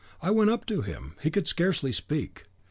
I went up to him; he could scarcely speak.